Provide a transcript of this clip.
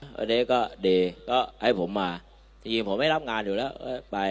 ตอนนี้ก็เดย์ก็ให้ผมมาจริงผมไม่รับงานอยู่แล้วไป